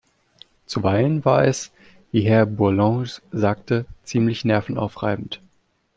Zuweilen war es, wie Herr Bourlanges sagte, ziemlich nervenaufreibend.